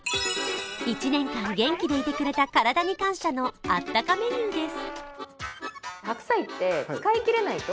１年間元気でいてくれた体に感謝のあったかメニューです。